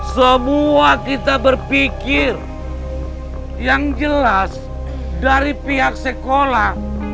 semua kita berpikir yang jelas dari pihak sekolah